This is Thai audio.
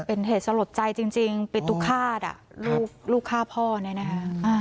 เป็นเหตุสลดใจจริงปิตุฆาตลูกฆ่าพ่อเนี่ยนะฮะ